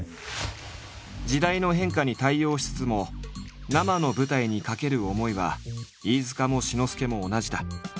時代の変化に対応しつつも生の舞台に懸ける思いは飯塚も志の輔も同じだ。